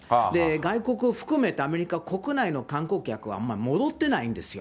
外国含めたアメリカ国内の観光客は戻ってないんですよ。